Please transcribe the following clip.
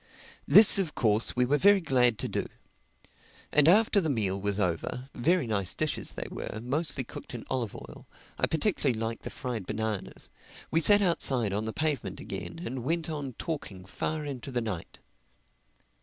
This of course we were very glad to do. And after the meal was over (very nice dishes they were, mostly cooked in olive oil—I particularly liked the fried bananas) we sat outside on the pavement again and went on talking far into the night.